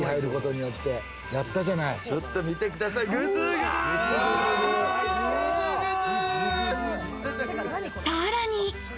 ちょっと見てください、さらに。